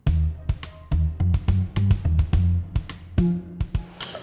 jadi dia yang diserang